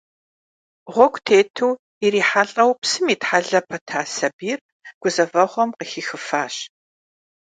Гъуэгу тету ирихьэлӏэу псым итхьэлэ пэта сабийр гузэвэгъуэм къыхихыфащ.